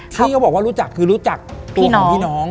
ที่เขาบอกว่ารู้จักคือรู้จักตัวของพี่น้อง